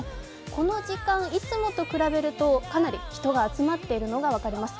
この時間、いつもと比べると、かなり人が集まっているのが分かります。